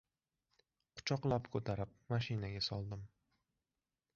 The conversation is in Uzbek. Quchoqlab ko‘tarib, mashinaga soldim.